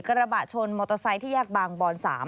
กระบะชนมอเตอร์ไซค์ที่แยกบางบอน๓